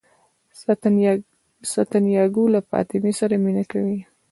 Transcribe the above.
سانتیاګو له فاطمې سره مینه کوي.